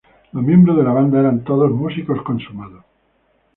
Los miembros de la banda eran todos músicos consumados.